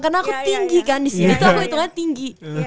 karena aku tinggi kan di sini tuh aku hitungnya tinggi